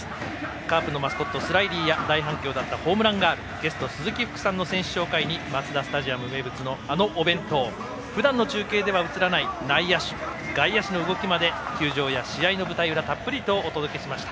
カープのマスコットスラィリーやホームランガールゲスト、鈴木福さんの選手紹介にマツダスタジアム名物のお弁当ふだんの中継では映らない内野手、外野手の動きまで球場や試合の舞台裏たっぷりお届けしました。